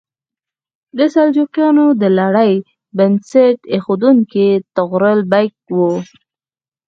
د سلجوقیانو د لړۍ بنسټ ایښودونکی طغرل بیګ و.